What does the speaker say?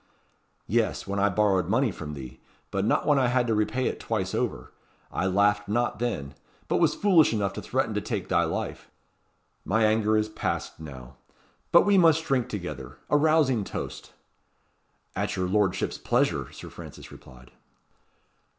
"Yes, when I borrowed money from thee but not when I had to repay it twice over. I laughed not then; but was foolish enough to threaten to take thy life. My anger is past now. But we must drink together a rousing toast." "At your lordship's pleasure," Sir Francis replied.